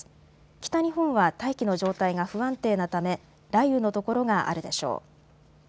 北日本は大気の状態が不安定なため雷雨の所があるでしょう。